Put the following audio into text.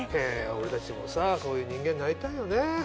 俺たちもさそういう人間になりたいよね。